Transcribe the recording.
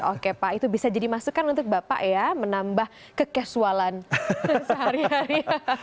oke pak itu bisa jadi masukan untuk bapak ya menambah kekesualan sehari hari